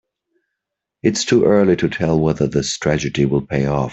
It's too early to tell whether the strategy will pay off.